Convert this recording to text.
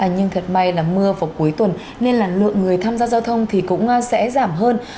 nhưng thật may là mưa vào cuối tuần nên là lượng người tham gia giao thông thì cũng sẽ giảm hơn